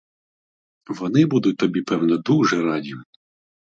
Вони будуть тобі, певно, дуже раді.